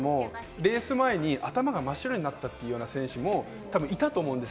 レース前に頭が真っ白になったという選手もたぶん、いたと思うんです。